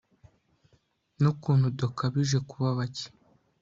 n'ukuntu dukabije kuba bake